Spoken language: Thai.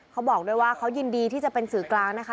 เขาบอกด้วยว่าเขายินดีที่จะเป็นสื่อกลางนะคะ